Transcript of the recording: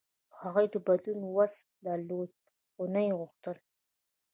هغوی د بدلون وس درلود، خو نه یې غوښتل.